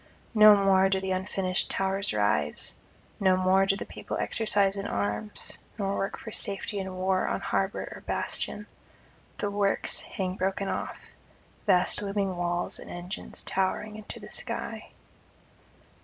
No more do the unfinished towers rise, no more do the people exercise in arms, nor work for safety in war on harbour or bastion; the works hang broken off, vast looming walls and engines towering into the sky.